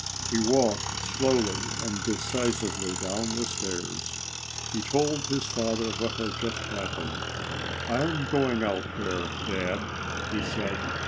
He walked slowly and decisively down the stairs. He told his father what had just happened. "I'm going out there, Dad," he said.